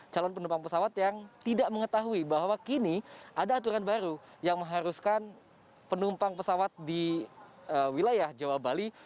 calon penumpang pesawat yang tidak mengetahui bahwa kini ada aturan baru yang mengharuskan penumpang pesawat di wilayah jawa bali